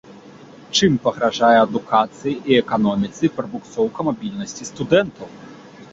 Чым пагражае адукацыі і эканоміцы прабуксоўка мабільнасці студэнтаў.